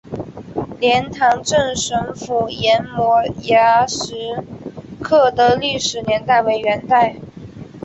莲塘镇神符岩摩崖石刻的历史年代为元代。